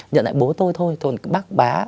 nhận lại bố tôi thôi thôi bác bá